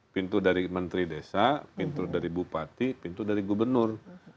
pintu dari menteri desa pintu dari bupati pintu dari gubernur